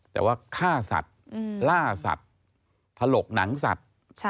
แต่ว่าฆ่าสัตว์ล่าสัตว์ถลกหนังสัตว์